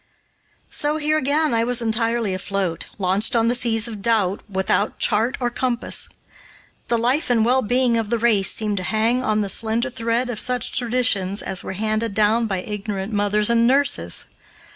So here, again, I was entirely afloat, launched on the seas of doubt without chart or compass. The life and well being of the race seemed to hang on the slender thread of such traditions as were handed down by ignorant mothers and nurses.